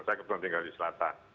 saya kebetulan tinggal di selatan